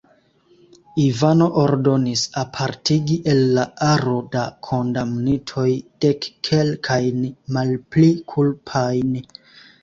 Ivano ordonis apartigi el la aro da kondamnitoj dekkelkajn malpli kulpajn.